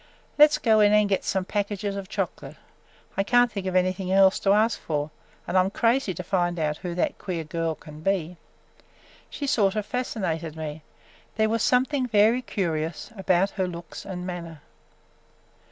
Let 's go in and get some packages of chocolate. I can't think of anything else to ask for, and I 'm crazy to find out who that queer girl can be. She sort of fascinated me! There was something very curious about her looks and manner."